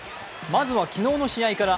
まずは昨日の試合から。